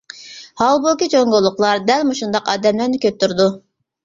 ھالبۇكى جۇڭگولۇقلار دەل مۇشۇنداق ئادەملەرنى كۆتۈرىدۇ.